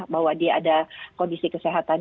bahwa dia ada kondisi kesehatan